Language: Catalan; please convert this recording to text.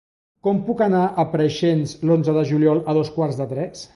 Com puc anar a Preixens l'onze de juliol a dos quarts de tres?